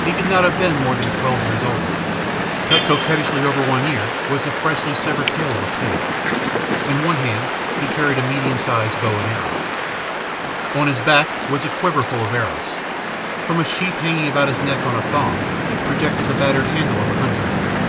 He could not have been more than twelve years old. Tucked coquettishly over one ear was the freshly severed tail of a pig. In one hand he carried a medium sized bow and an arrow. On his back was a quiverful of arrows. From a sheath hanging about his neck on a thong, projected the battered handle of a hunting knife.